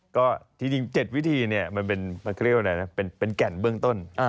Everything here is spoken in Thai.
ก็จริง๗วิธีเนี่ยมันเป็นเขาเรียกว่าอะไรนะเป็นแก่นเบื้องต้น